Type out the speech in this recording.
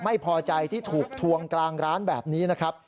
ไม่พอใจที่ถูกทวงกลางร้านแบบนี้นะครับ